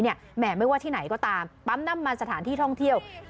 แหมไม่ว่าที่ไหนก็ตามปั๊มน้ำมันสถานที่ท่องเที่ยว